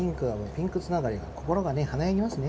ピンクつながりが心がね華やぎますね。